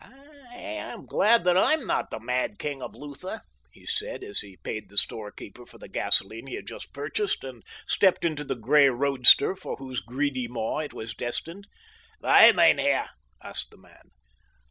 "I am glad that I am not the mad king of Lutha," he said as he paid the storekeeper for the gasoline he had just purchased and stepped into the gray roadster for whose greedy maw it was destined. "Why, mein Herr?" asked the man.